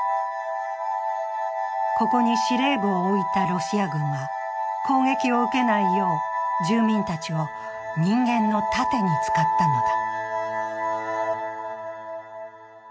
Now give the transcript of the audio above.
ここに司令部を置いたロシア軍は攻撃を受けないよう住民たちを人間の盾に使ったのだ。